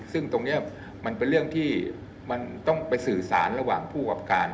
ซึ่งตรงนี้มันเป็นเรื่องที่มันต้องไปสื่อสารระหว่างผู้กับการ